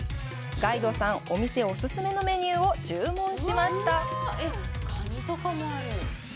ガイドさん、お店お勧めのメニューを注文しました。